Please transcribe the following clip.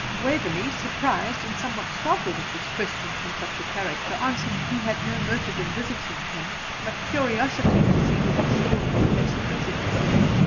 Waverley, surprised and somewhat startled at this question from such a character, answered, he had no motive in visiting him but curiosity to see his extraordinary place of residence.